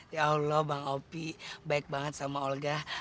ya allah bang opi baik banget sama olga